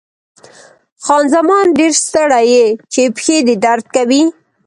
خان زمان: ډېر ستړی یې، چې پښې دې درد کوي؟